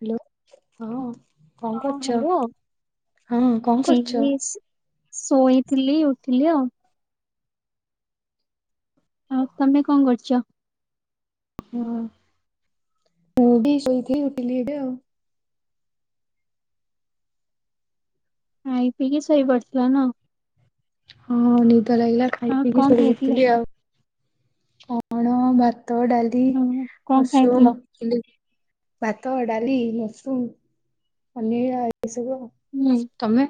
Hello ହଁ କଣ ହଁ କରୁଛ ହ୍ୟାଲୋ। ହଁ କଣ କରୁଛ। ଏଇ ଶ- ଶୋଇଥିଲି ଉଠିଲି ଆଉ। ଆଉ ତମେ କଣ କରୁଛ? ହଁ ମୁଁ ବି ଶୋଇଥିଲି ଉଠିଲି ଏବେ ଆଉ। ଖାଇ ପିଇକି ଶୋଇ ପଡିଥିଲ ନ ହଁ ନିଦ ଲାଗିଲା ଖାଇ ଆଉ ପିଇକି କଣ ଖାଇଥିଲେ? ଶୋଇପଡ଼ିଥିଲି ଆଉ। କଣ ଭାତ ଡାଲି ହୁଁ କଣ ଖାଇଥିଲ? ମସରୁମ, ଭାତ ଡାଲି ମସରୁମ ପନିର ଆଉ ଏଇ ସବୁ ଆଉ। ହୁଁ। ତମେ?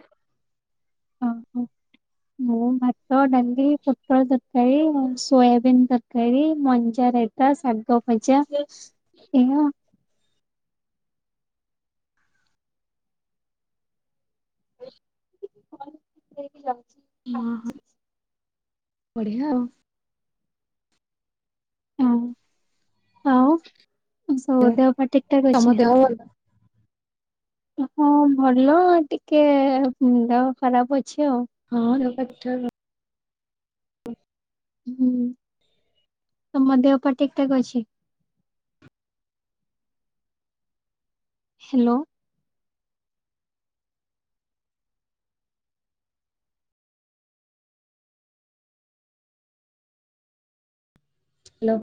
ଓହୋ ମୁଁ [inaudible] ଭାତ ଡାଲି ପୋଟଳ ତରକାରୀ ଆଉ ସୋୟାବୀନ୍ ତରକାରୀ ମଞ୍ଜା ରାଇ। ତା ଶାଗ ଭାଜା ଏଇଆ। ଦେଇକି ଯାଉଛି। ହଁ ହଁ ବଢିଆ ଆଉ। ହଁ ଆଉ ସବୁ ଦେହ ପା ଠିକ ଠାକ୍ ତମ ଅଛି ଦେହ ଭଲ? ହଁ ଭଲ ଟିକେ ଦେହ ଖରାପ ଅଛି ଆଉ। ହଁ ଦେହ ପା ଠିକ୍ ଠାକ୍। ହୁଁ ତମ ଦେହ ପାହା ଠିକ୍ ଠାକ୍ ଅଛି? ହ୍ୟାଲୋ। ହ୍ୟାଲୋ।